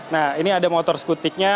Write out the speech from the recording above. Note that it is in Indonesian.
nah ini ada motor skutiknya